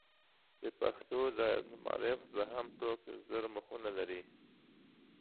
د پښتو دایرة المعارف دوهم ټوک زر مخونه لري.